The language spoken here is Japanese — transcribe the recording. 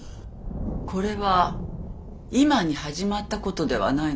これは今に始まったことではないのです。